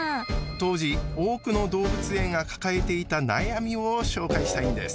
当時多くの動物園が抱えていた悩みを紹介したいんです。